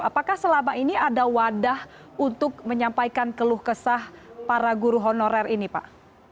apakah selama ini ada wadah untuk menyampaikan keluh kesah para guru honorer ini pak